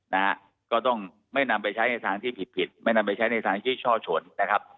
นะฮะก็ต้องไม่นำไปใช้ในทางที่ผิดผิดไม่นำไปใช้ในทางที่ช่อชนนะครับ